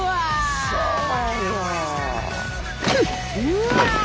うわ。